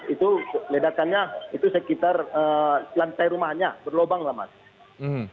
itu ledakannya itu sekitar lantai rumahnya berlobang lah mas